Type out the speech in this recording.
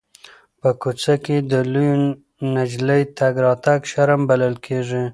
په کوڅه کې د لویې نجلۍ تګ راتګ شرم بلل کېږي.